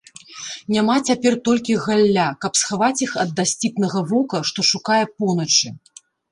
Няма цяпер толькі галля, каб схаваць іх ад дасціпнага вока, што шукае поначы.